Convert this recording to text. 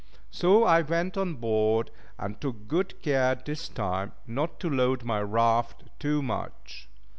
So I went on board, and took good care this time not to load my raft too much.